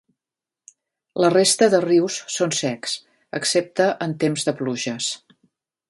La resta de rius són secs excepte en temps de pluges.